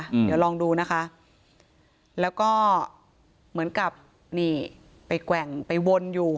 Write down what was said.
เดี๋ยวลองดูนะคะแล้วก็เหมือนกับนี่ไปแกว่งไปวนอยู่